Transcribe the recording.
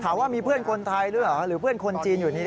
ถามว่ามีเพื่อนคนไทยหรือเปล่าหรือเพื่อนคนจีนอยู่นี้